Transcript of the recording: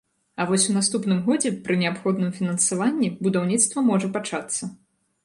А вось у наступным годзе, пры неабходным фінансаванні, будаўніцтва можа пачацца.